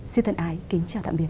xin thân ái kính chào tạm biệt